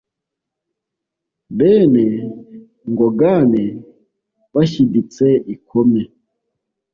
bene ngogane bashyiditse ikome